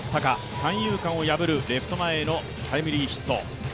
三遊間を破るレフト前のタイムリーヒット。